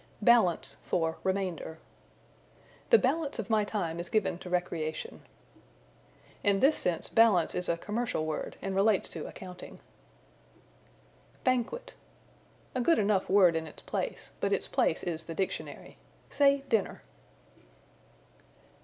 Balance for Remainder. "The balance of my time is given to recreation." In this sense balance is a commercial word, and relates to accounting. Banquet. A good enough word in its place, but its place is the dictionary. Say, dinner.